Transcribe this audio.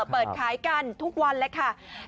เปิดขายกันทุกวันเลยค่ะ